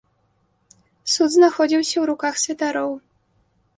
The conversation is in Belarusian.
Суд знаходзіўся ў руках святароў.